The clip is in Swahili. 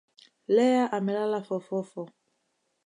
Leah amela fofofo